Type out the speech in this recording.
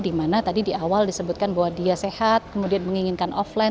dimana tadi di awal disebutkan bahwa dia sehat kemudian menginginkan offline